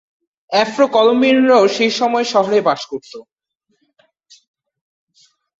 আফ্রো-কলম্বিয়ানরাও সেই সময়ে শহরে বাস করত।